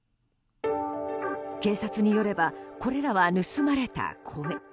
警察によればこれらは盗まれた米。